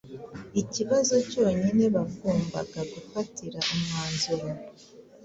Ikibazo cyonyine bagombaga gufatira umwanzuro